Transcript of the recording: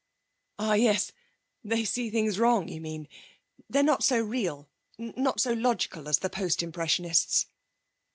'Ah yes. They see things wrong, you mean. They're not so real, not so logical, as the Post Impressionists.'